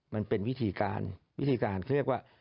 มันเป็นวิธีการเขาเรียกว่า